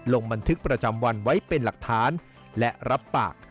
ลงบันทึกประจำวันไว้เป็นหลักฐานและรับปาก